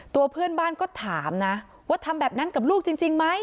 ตัวเพื่อนบ้านก็ถามนะว่าทำแบบนั้นกับลูกจริงไหม